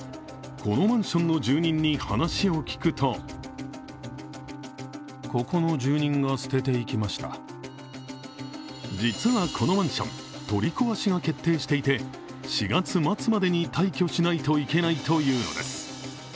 このマンションの住人に話を聞くと実はこのマンション、取り壊しが決定していて、４月末までに退去しないといけないというのです。